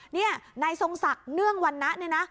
นี่นายทรงศักดิ์เนื่องวันนั้น